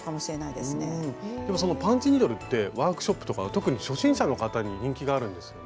でもそのパンチニードルってワークショップとか特に初心者の方に人気があるんですよね？